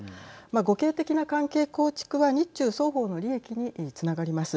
互恵的な関係構築は日中双方の利益につながります。